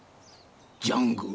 ジャングル？